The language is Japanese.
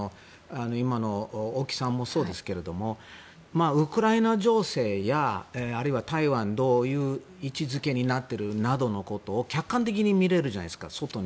今の王毅さんもそうですけどウクライナ情勢やあるいは台湾がどういう位置づけになっているかなどのことを外にいるから客観的に見られるじゃないですか。